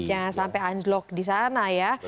jangan sampai anjlok di sana ya